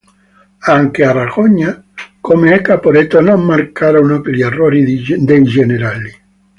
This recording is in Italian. Anche a Ragogna, come a Caporetto, non mancarono gli errori dei generali.